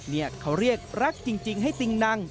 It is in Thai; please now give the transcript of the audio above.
นี่เขาเรียกรักจริงให้ติงนัง